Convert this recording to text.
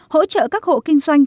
hỗ trợ các hộ kinh doanh